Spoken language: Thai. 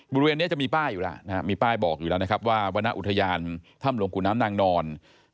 บริเวณนี้จะมีป้ายอยู่แล้วนะครับมีป้ายบอกอยู่แล้วนะครับว่าวรรณอุทยานถ้ำหลวงขุนน้ำนางนอน